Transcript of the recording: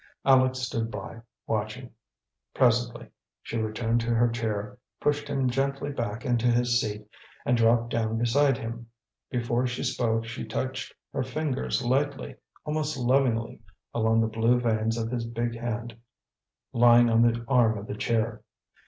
Aleck stood by, watching. Presently she returned to her chair, pushed him gently back into his seat and dropped down beside him. Before she spoke, she touched her fingers lightly, almost lovingly, along the blue veins of his big hand lying on the arm of the chair.